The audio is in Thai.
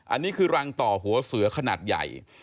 อันนี้คือรังต่อหัวเสือขนาดใหญ่